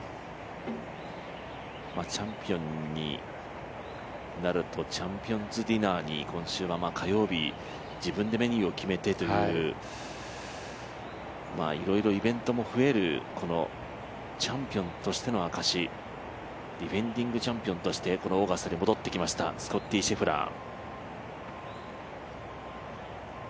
チャンピオンになるとチャンピオンズディナーに今週火曜日、自分でメニューを決めてという、いろいろイベントも増える、チャンピオンとしての証しディフェンディングチャンピオンとして、このオーガスタに戻ってきました、スコッティ・シェフラー。